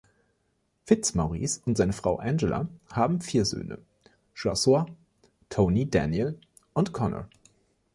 Fitzmaurice und seine Frau Angela haben vier Söhne: Josua, Tony, Daniel und Connor.